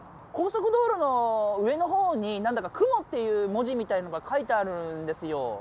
高速道路の上のほうに何だか雲っていう文字みたいなのが書いてあるんですよ